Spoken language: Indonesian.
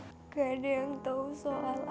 gak ada yang tahu soal ayah kak